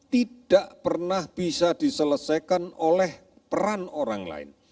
tidak pernah bisa diselesaikan oleh peran orang lain